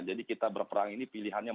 jadi kita berperang ini pilihannya